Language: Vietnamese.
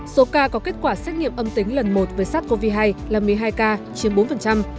số ca có kết quả xét nghiệm âm tính lần một với sars cov hai là một mươi hai ca chiếm bốn